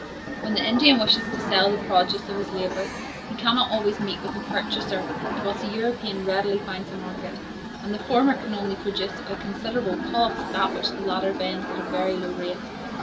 When the Indian wishes to sell the produce of his labor, he cannot always meet with a purchaser, whilst the European readily finds a market; and the former can only produce at a considerable cost that which the latter vends at a very low rate.